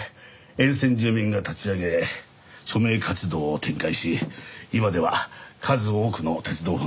沿線住民が立ち上げ署名活動を展開し今では数多くの鉄道ファンが名を連ねてます。